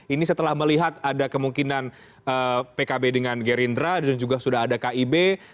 ini setelah melihat ada kemungkinan pkb dengan gerindra dan juga sudah ada kib